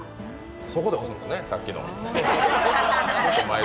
そこで押すんですね、さっきの。